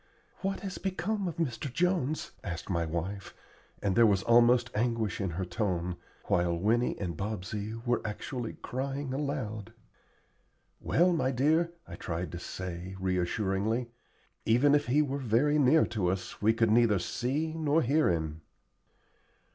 "What has become of Mr. Jones?" asked my wife, and there was almost anguish in her tone, while Winnie and Bobsey were actually crying aloud. "Well, my dear," I tried to say, reassuringly, "even if he were very near to us we could neither see nor hear him."